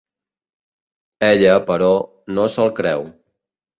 Ella, però, no se'l creu.